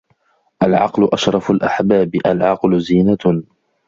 العقل أشرف الأحباب العقل زينة